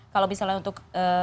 kalau misalnya untuk